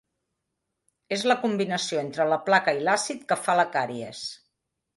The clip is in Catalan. És la combinació entre la placa i l'àcid que fa la càries.